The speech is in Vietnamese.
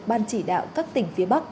ban chỉ đạo các tỉnh phía bắc